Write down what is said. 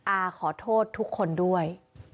อาขอโทษทุกคนด้วย